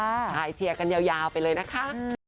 ถ่ายเชียร์กันยาวไปเลยนะคะ